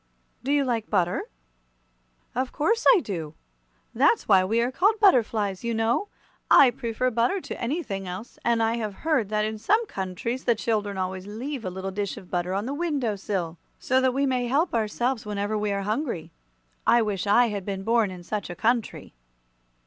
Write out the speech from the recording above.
"Do you like butter?" "Of course I do! That's why we are called butterflies, you know. I prefer butter to anything else, and I have heard that in some countries the children always leave a little dish of butter on the window sill, so that we may help ourselves whenever we are hungry. I wish I had been born in such a country."